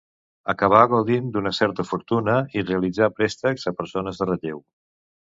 Acabà gaudint d'una certa fortuna i realitzà préstecs a persones de relleu.